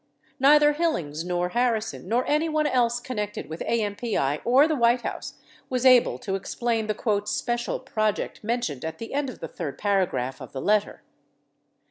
Neither Hillings nor Harrison nor anyone else connected with AMPI or the White House was able to explain the "special project" mentioned at the end of the third paragraph of the letter.